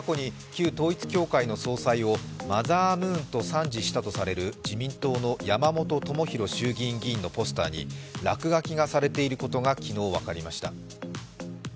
旧統一教会の総裁をマザームーンと賛辞されたとされる自民党の山本朋広衆議院議員のポスターに落書きがされていることが昨日、分かりました。